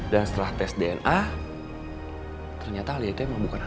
dan setelah tes dna ternyata lia itu emang bukan anak gue